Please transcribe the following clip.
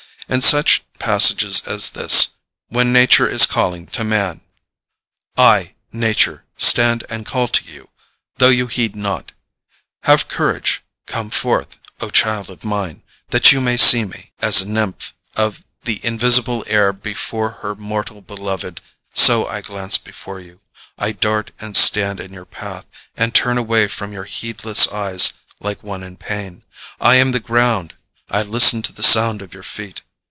And such passages as this, when Nature is calling to man: "I, Nature, stand and call to you, though you heed not: "Have courage, come forth, O child of mine, that you may see me." "As a nymph of the invisible air before her mortal beloved, so I glance before you. I dart and stand in your path, and turn away from your heedless eyes like one in pain. I am the ground; I listen to the sound of your feet.